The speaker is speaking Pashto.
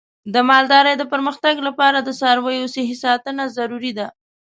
د مالدارۍ د پرمختګ لپاره د څارویو صحي ساتنه ضروري ده.